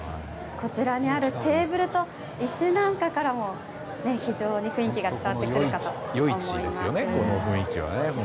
こちらにあるテーブルと椅子なんかからも非常に雰囲気が伝わってくるかと思います。